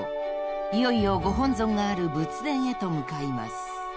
［いよいよご本尊がある仏殿へと向かいます］